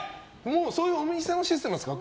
そういうお店のシステムですか。